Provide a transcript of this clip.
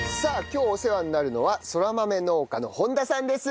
今日お世話になるのはそら豆農家の本田さんです。